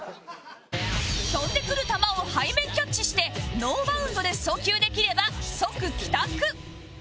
飛んでくる球を背面キャッチしてノーバウンドで送球できれば即帰宅